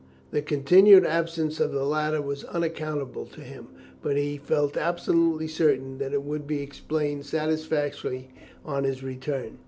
The continued absence of the latter was unaccountable to him, but he felt absolutely certain that it would be explained satisfactorily on his return.